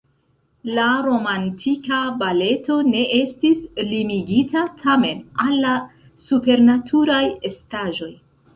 La romantika baleto ne estis limigita, tamen, al la supernaturaj estaĵoj.